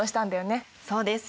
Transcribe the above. そうです。